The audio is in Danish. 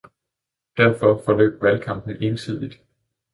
Derfor forløb valgkampen ensidigt.